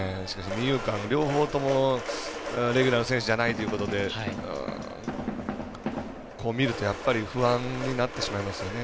二遊間両方ともレギュラー選手じゃないってことで見ると、やっぱり不安になってしまいますよね。